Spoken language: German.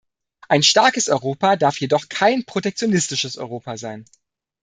Ein starkes Europa darf jedoch kein protektionistisches Europa sein.